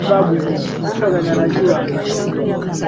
kueneza lugha ya kiswahili kama ifuatavyo Kuteua